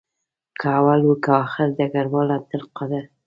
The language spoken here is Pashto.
که اول وو که آخر ډګروال عبدالقادر.